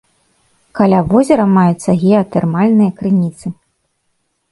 Каля возера маюцца геатэрмальныя крыніцы.